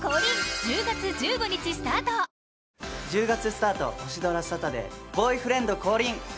１０月スタートオシドラサタデー『ボーイフレンド降臨！』。